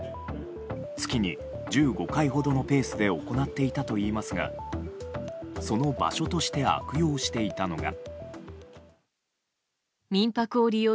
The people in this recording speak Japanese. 月に１５回ほどのペースで行っていたといいますがその場所として悪用していたのが。